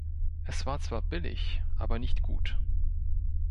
Es war zwar billig, aber nicht gut!